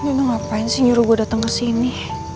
ini udah ngapain sih nyuruh gue dateng kesini